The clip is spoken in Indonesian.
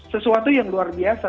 sesuatu yang luar biasa